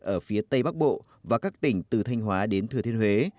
ở phía tây bắc bộ và các tỉnh từ thanh hóa đến thừa thiên huế